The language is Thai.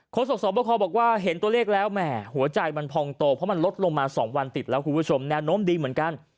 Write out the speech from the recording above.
สอบสวบคอบอกว่าเห็นตัวเลขแล้วแหมหัวใจมันพองโตเพราะมันลดลงมา๒วันติดแล้วคุณผู้ชมแนวโน้มดีเหมือนกัน